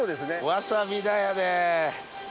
わさび田やで。